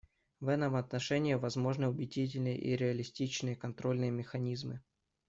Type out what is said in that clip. В этом отношении возможны убедительные и реалистичные контрольные механизмы.